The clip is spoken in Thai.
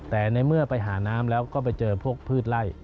แต่ในเมื่อไปหาน้ำแล้วก็ไปเจอพวกพืชไล่